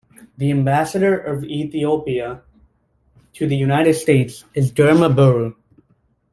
The Ambassador of Ethiopia to the United States is Girma Birru.